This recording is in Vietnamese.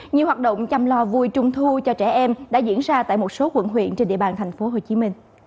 nhiều hoạt động chăm lo vui trung thu cho trẻ em đã diễn ra tại một số quận huyện trên địa bàn tp hcm